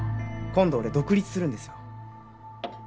今度俺独立するんですよ。